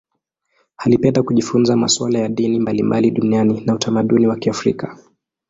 Alipenda kujifunza masuala ya dini mbalimbali duniani na utamaduni wa Kiafrika.